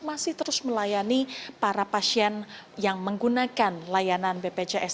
masih terus melayani para pasien yang menggunakan layanan bpjs